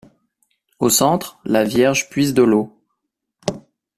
Au centre, la Vierge puise de l'eau.